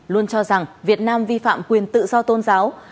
luôn cho rằng việt nam vi phạm quyền tự do tôn giáo